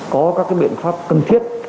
có các cái biện pháp cần thiết